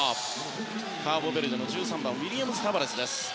カーボベルデの１３番ウィリアムズ・タバレスです。